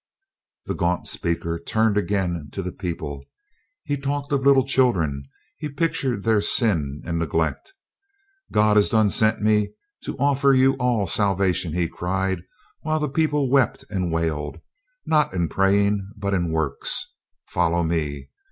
The gaunt speaker turned again to the people. He talked of little children; he pictured their sin and neglect. "God is done sent me to offer you all salvation," he cried, while the people wept and wailed; "not in praying, but in works. Follow me!"